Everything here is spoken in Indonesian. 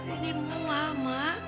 ini mual mak